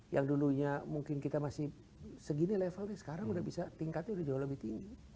yang dulunya mungkin kita masih segini levelnya sekarang udah bisa tingkatnya udah jauh lebih tinggi